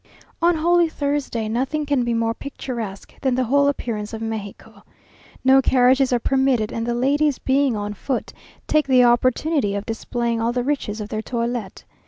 On Holy Thursday nothing can be more picturesque than the whole appearance of Mexico. No carriages are permitted and the ladies, being on foot, take the opportunity of displaying all the riches of their toilet.